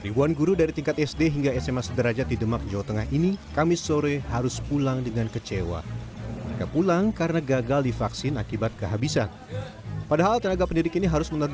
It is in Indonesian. berita terkini mengenai cuaca ekstrem di jawa tengah